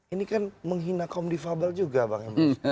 ini kan menghina kaum difabel juga bang emrus